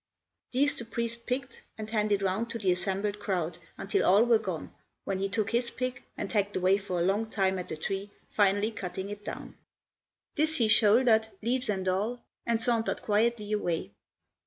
These the priest picked and handed round to the assembled crowd until all were gone, when he took his pick and hacked away for a long time at the tree, finally cutting it down. This he shouldered, leaves and all, and sauntered quietly away.